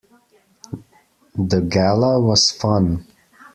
The Gala was fun.